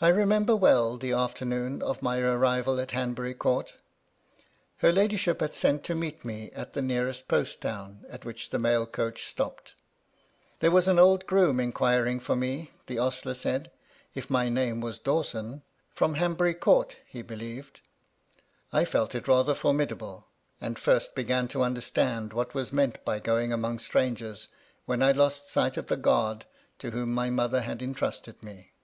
I remember well the afternoon of my arrival at Han bury Court Her ladyship had sent to meet me at the nearest post town at which the mail coach stopped. There was an old groom inquiring for me, the ostler said, if my name was Dawson — from Hanbury Court, be believed. 1 felt it rather formidable; and first began to understand what was meant by going among strangers, when I lost sight of the guard to whom my mother had intrusted me.